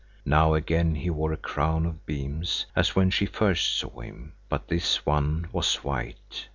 Now again he wore a crown of beams, as when she first saw him, but this one was white.